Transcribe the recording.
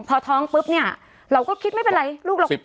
พอท้องปุ๊บเนี่ยเราก็คิดไม่เป็นไรลูกเรา